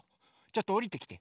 ちょっとおりてきて。